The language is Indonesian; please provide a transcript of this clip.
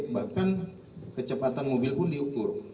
bahkan kecepatan mobil pun diukur